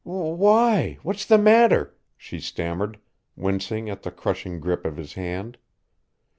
"W w w hy, what's the matter?" she stammered, wincing at the crushing grip of his hand.